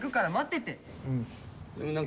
うん。